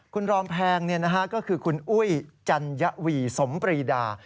คุณรอมแพงก็คือคุณอุ้ยจัญวีสมปรีดา